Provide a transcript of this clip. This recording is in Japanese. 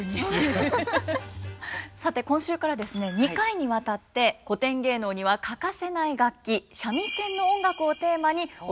さて今週からですね２回にわたって古典芸能には欠かせない楽器三味線の音楽をテーマにお送りいたします。